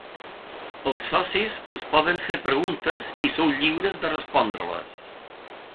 Els socis us poden fer preguntes i sou lliures de respondre-les.